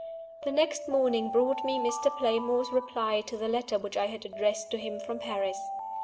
The next morning brought me Mr. Playmore's reply to the letter which I had addressed to him from Paris.